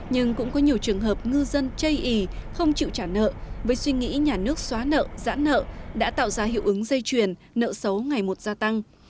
nhưng cũng có nhiều trường hợp ngư dân chây ý không chịu trả nợ với suy nghĩ nhà nước xóa nợ giãn nợ đã tạo ra hiệu ứng dây truyền nợ xấu ngày một gia tăng